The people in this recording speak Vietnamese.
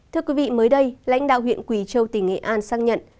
thưa quý vị mới đây lãnh đạo huyện quỳ châu tỉnh nghệ an xác nhận